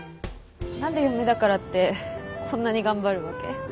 何で嫁だからってこんなに頑張るわけ？